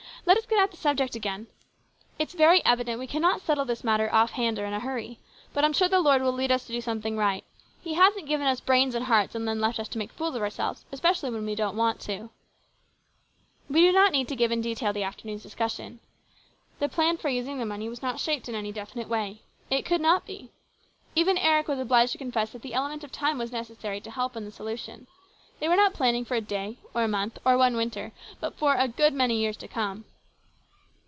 " Let us get at the subject again. It's very evident we cannot settle this matter off hand or in a hurry. But I'm sure the Lord will lead us to do something right. He hasn't given us brains and hearts and then left us to make fools of ourselves, especially when we don't want to." 180 HIS BROTHER'S KEEPER. We do not need to give in detail the after noon's discussion. The plan for using the money was not fully shaped in any definite way. It could not be. Even Eric was obliged to confess that the element of time was necessary to help in the solution. They were not planning for a day or a month or one winter, but for a good many years to come.